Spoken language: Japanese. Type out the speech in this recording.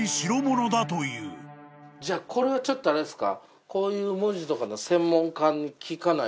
じゃあこれはちょっとあれですか？